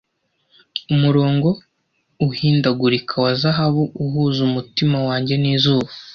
umurongo uhindagurika wa zahabu uhuza umutima wanjye n'izuba